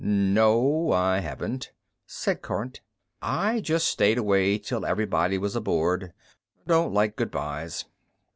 "No, I haven't," said Kormt. "I just stayed away till everybody was aboard. Don't like goodbyes."